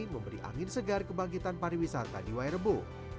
memberi angin segar kebangkitan pariwisata di y rebo